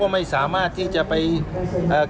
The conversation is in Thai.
คุณต้องไปคุยกับทางเจ้าหน้าที่เขาหน่อย